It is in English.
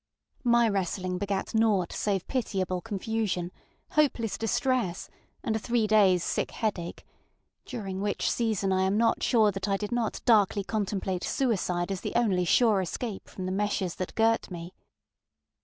ŌĆØ My wrestling begat naught save pitiable confusion, hopeless distress, and a three daysŌĆÖ sick headache, during which season I am not sure that I did not darkly contemplate suicide as the only sure escape from the meshes that girt me.